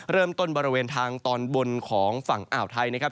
บริเวณทางตอนบนของฝั่งอ่าวไทยนะครับ